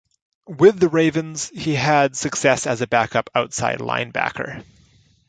With the Ravens, he had success as a backup outside linebacker.